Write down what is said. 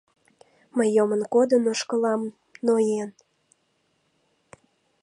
Мый йомын кодын ошкылам, ноен.